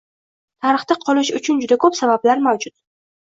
Tarixda qolishi uchun juda ko‘p sabablar mavjud.